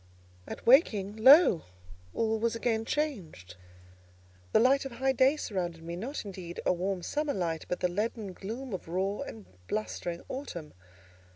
At waking, lo! all was again changed. The light of high day surrounded me; not, indeed, a warm, summer light, but the leaden gloom of raw and blustering autumn.